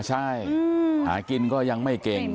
ใช่หากินก็ยังไม่เก่ง